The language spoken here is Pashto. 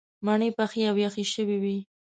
مڼې پخې او یخې شوې وې.